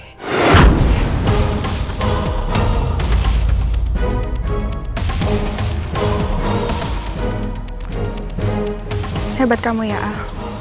hebat kamu ya al